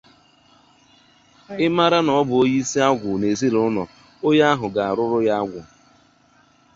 ị mara na ọ bụ onyeisi agwụ n'ezinụlọ onye ahụ ga-arụrụ ya agwụ